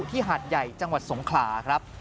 หาดใหญ่จังหวัดสงขลาครับ